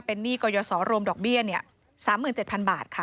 เป็นหนี้กรยศรวมดอกเบี้ย๓๗๐๐บาทค่ะ